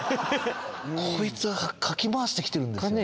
⁉こいつがかき回して来てるんですよね。